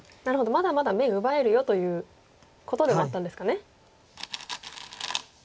まだまだ眼奪えるよということではあったんですかね。